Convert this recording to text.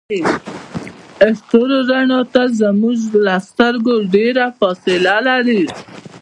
د ستوري رڼا تل زموږ له سترګو ډیره فاصله لري.